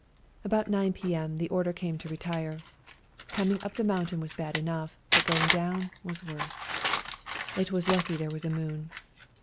About 9 p.m. the order came to retire ; coming up the mountain was bad enough, but going down was worse. It was lucky there was a moon.